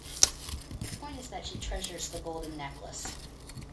The point is that she treasures the golden necklace.